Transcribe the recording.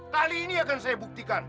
tali ini akan saya buktikan